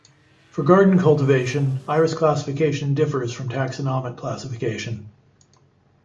For garden cultivation, iris classification differs from taxonomic classification.